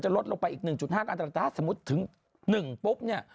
ลดลงไปอีก๑๕อันตรายแต่ถ้าสมมุติถึง๑ปุ๊บเนี่ย